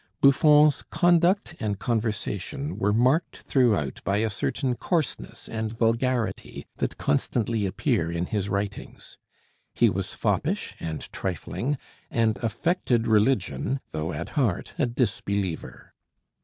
Buffon's conduct and conversation were marked throughout by a certain coarseness and vulgarity that constantly appear in his writings. He was foppish and trifling, and affected religion though at heart a disbeliever.